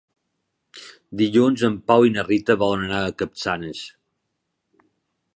Dilluns en Pau i na Rita volen anar a Capçanes.